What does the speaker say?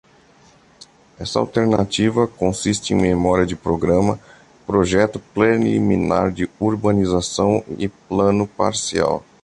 Esta alternativa consiste em memória de programa, projeto preliminar de urbanização e plano parcial.